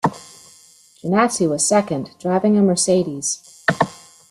Jenatzy was second, driving a Mercedes.